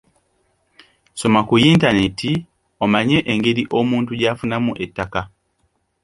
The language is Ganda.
Soma ku yintaneeti omanye engeri omuntu gy’afunamu ettaka.